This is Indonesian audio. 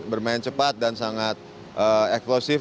bermain cepat dan sangat eksklusif